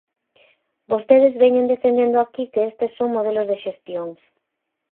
Vostedes veñen defendendo aquí que estes son modelos de xestión.